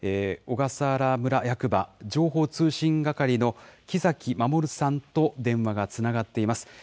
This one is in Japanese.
小笠原村役場情報通信係の木崎守さんと電話がつながっています。